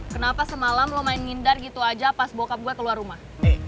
kenapa semalam lo main ngindar gitu aja pas bokap gue keluar rumah